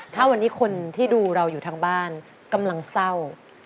ถ้าวันนี้คนที่ดูเราอยู่ทางบ้านกำลังเศร้า